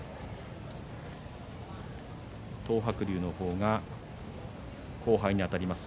東白龍の方が後輩にあたります。